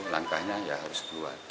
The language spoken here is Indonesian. langkahnya ya harus keluar